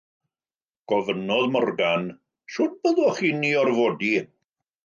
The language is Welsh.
Gofynnodd Morgan: Sut byddwch chi'n ei orfodi?